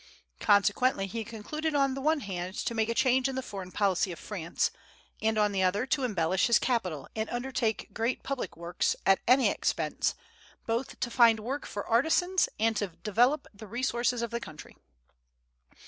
Consequently he concluded on the one hand to make a change in the foreign policy of France, and on the other to embellish his capital and undertake great public works, at any expense, both to find work for artisans and to develop the resources of the country.